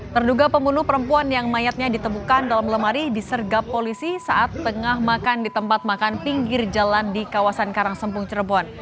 terduga pembunuh perempuan yang mayatnya ditemukan dalam lemari disergap polisi saat tengah makan di tempat makan pinggir jalan di kawasan karangsempung cirebon